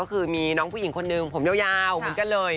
ก็คือมีน้องผู้หญิงคนหนึ่งผมยาวเหมือนกันเลย